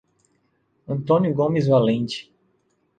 Antônio Gomes Valente